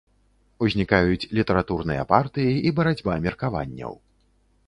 Узнікаюць літаратурныя партыі і барацьба меркаванняў.